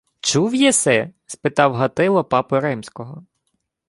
— Чув єси? — спитав Гатило папу римського.